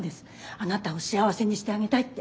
あなたを幸せにしてあげたいって。